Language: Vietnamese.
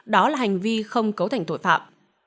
đó là hành vi không cấu thành tội phạm